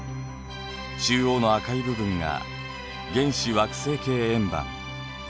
中央の赤い部分が原始惑星系円盤。